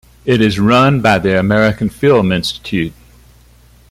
It is run by the American Film Institute.